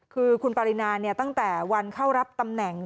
คือคุณปรินาตั้งแต่วันเข้ารับตำแหน่ง